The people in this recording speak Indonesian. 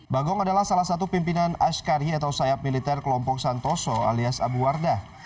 bagong adalah salah satu pimpinan ashkari atau sayap militer kelompok santoso alias abu wardah